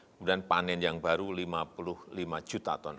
kemudian panen yang baru lima puluh lima juta ton